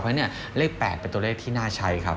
เพราะฉะนั้นเลข๘เป็นตัวเลขที่น่าใช้ครับ